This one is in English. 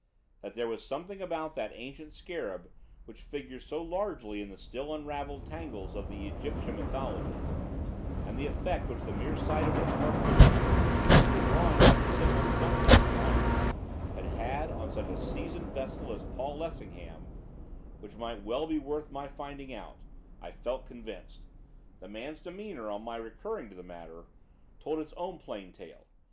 That there was something about that ancient scarab, which figures so largely in the still unravelled tangles of the Egyptian mythologies, and the effect which the mere sight of its cartouch for the drawing had resembled something of the kind had had on such a seasoned vessel as Paul Lessingham, which might be well worth my finding out, I felt convinced, the man's demeanour, on my recurring to the matter, told its own plain tale.